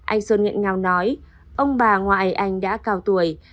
anh sơn nghiện ngào nói ông bà ngoại anh đã cao tuổi